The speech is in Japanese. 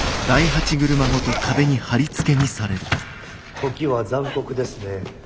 時は残酷ですね。